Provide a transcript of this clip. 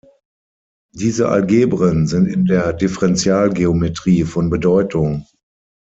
Diese Algebren sind in der Differentialgeometrie von Bedeutung.